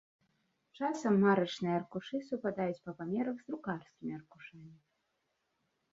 Часам марачныя аркушы супадаюць па памерах з друкарскімі аркушамі.